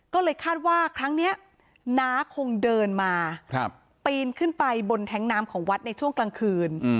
ก็เลยคาดว่าครั้งนี้น้าคงเดินมาปีนขึ้นไปบนแท้งน้ำของวัดในช่วงกลางคืน